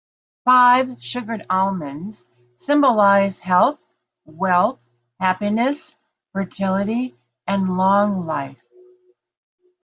Five sugared almonds symbolize health, wealth, happiness, fertility and long life.